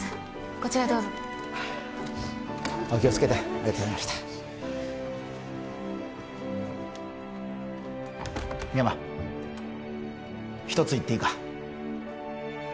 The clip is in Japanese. こちらへどうぞお気をつけてありがとうございました深山一つ言っていいか？